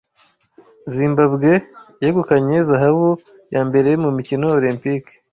Zimbabwe yegukanye zahabu ya mbere mu mikino Olempike